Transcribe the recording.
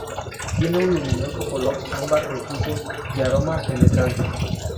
Tiene un luminoso color ámbar rojizo y aroma penetrante.